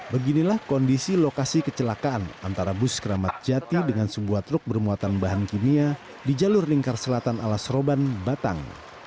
beginilah kondisi lokasi kecelakaan antara bus keramat jati dengan sebuah truk bermuatan bahan kimia di jalur lingkar selatan alas roban batang